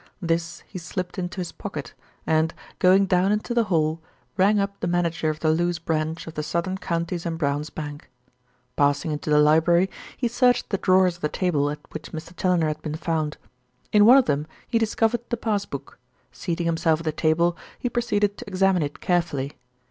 This he slipped into his pocket and, going down into the hall, rang up the manager of the Lewes branch of the Southern Counties and Brown's Bank. Passing into the library, he searched the drawers of the table at which Mr. Challoner had been found. In one of them he discovered the pass book. Seating himself at the table, he proceeded to examine it carefully.